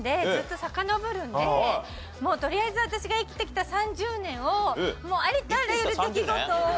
とりあえず私が生きてきた３０年をもうありとあらゆる出来事を。